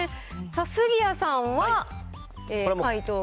杉谷さんは回答が。